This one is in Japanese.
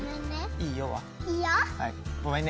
いいよ。